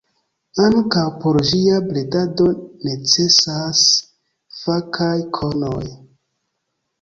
Ankaŭ por ĝia bredado necesas fakaj konoj.